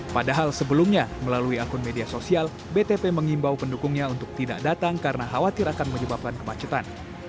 padahal sebelumnya melalui akun media sosial btp mengimbau pendukungnya untuk tidak datang karena khawatir akan menyebabkan kemacetan